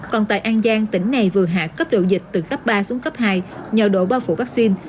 còn tại an giang tỉnh này vừa hạ cấp độ dịch từ cấp ba xuống cấp hai nhờ độ bao phủ vaccine